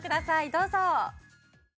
どうぞ。